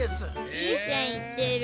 いいせんいってる。